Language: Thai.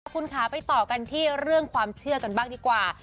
คุณค่ะไปต่อกันที่เรื่องความเชื่อกันบ้างดีกว่า